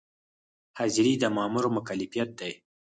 حاضري د مامور مکلفیت دی